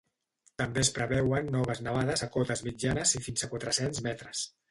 També es preveuen noves nevades a cotes mitjanes i fins a quatre-cents metres.